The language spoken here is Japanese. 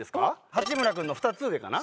八村君の２つ上かな？